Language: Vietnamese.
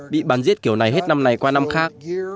bị bán giết kiểu này hết năm này qua năm khác